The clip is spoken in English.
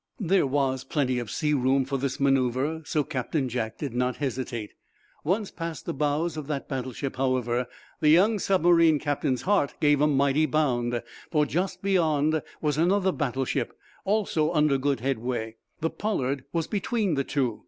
There was plenty of searoom for this manoeuvre, so Captain Jack did not hesitate. Once past the bows of that battleship, however, the young submarine captain's heart gave a mighty bound. For, just beyond, was another battleship, also under good headway. The "Pollard" was between the two.